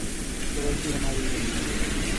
تو غلطی ہماری ہے۔